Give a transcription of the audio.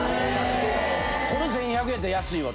これ１１００円やったら安いわ